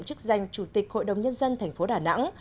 chức danh chủ tịch hội đồng nhân dân tp đà nẵng